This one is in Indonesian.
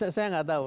saya tidak tahu